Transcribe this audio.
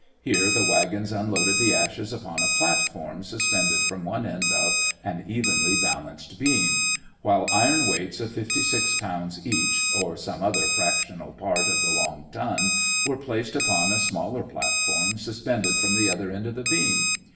Here the wagons unloaded the ashes upon a platform suspended from one end of an evenly balanced beam, while iron weights of fifty six pounds each, or some other fractional part of the long ton, were placed upon a smaller platform suspended from the other end of the beam.